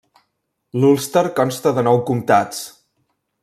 L'Ulster consta de nou comptats.